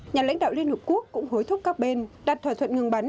nhà lãnh đạo liên hợp quốc cũng hối thúc các bên đặt thỏa thuận ngừng bắn